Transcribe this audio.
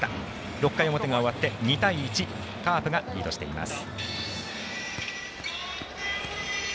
６回表が終わって２対１カープがリードしています。